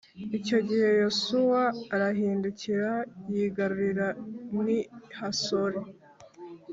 Icyo gihe yosuwa arahindukiral yigarurira n i hasori